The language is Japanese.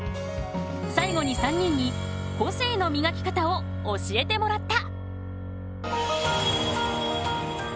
最後に３人に個性の磨き方を教えてもらった！